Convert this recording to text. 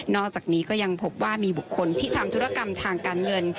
อกจากนี้ก็ยังพบว่ามีบุคคลที่ทำธุรกรรมทางการเงิน